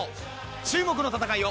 注目の戦いを。